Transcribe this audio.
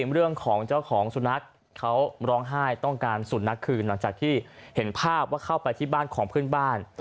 เรื่องของเจ้าของสุนัขเขาร้องไห้ต้องการสุนัขคืนหลังจากที่เห็นภาพว่าเข้าไปที่บ้านของเพื่อนบ้าน